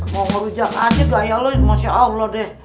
mau merujak aja gaya lo insya allah deh